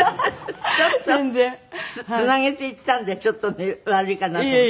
ちょっとつなげて言ったんでちょっと悪いかなと思って。